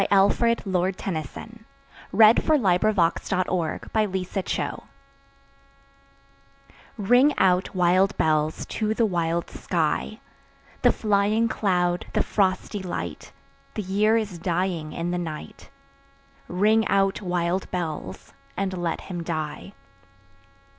Alfred, Lord Tennyson Ring Out, Wild Bells RING out, wild bells, to the wild sky, The flying cloud, the frosty light; The year is dying in the night; Ring out, wild bells, and let him die.